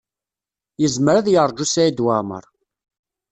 Yezmer ad yeṛju Saɛid Waɛmaṛ.